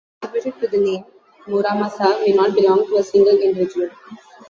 Swords attributed to the name Muramasa may not belong to a single individual.